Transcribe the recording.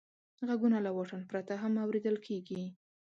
غږونه له واټن پرته هم اورېدل کېږي.